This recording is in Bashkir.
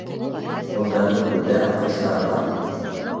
Бындағы күлдә аҡҡоштар бар.